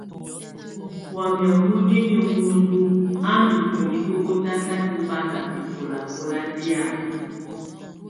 Wamɛ̀á muninyǝ́ muǝndu a ndù ntuinyii tu kɔtakatɔ bata bɛkɔlakɔla tɛ̀á.